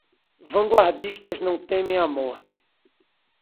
Vanguardistas não temem a morte